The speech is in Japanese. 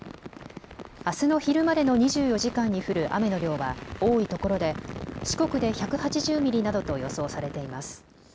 あすの昼までの２４時間に降る雨の量は多いところで四国で１８０ミリなどと予想されています。